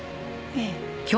ええ。